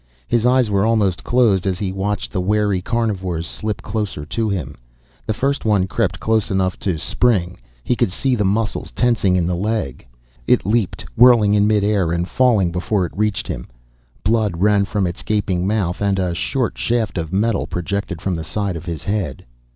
His eyes were almost closed as he watched the wary carnivores slip closer to him. The first one crept close enough to spring, he could see the muscles tensing in its leg. It leaped. Whirling in midair and falling before it reached him. Blood ran from its gaping mouth and the short shaft of metal projected from the side of his head.